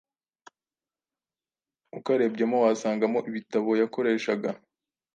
Ukarebyemo wasangamo ibitabo yakoreshaga,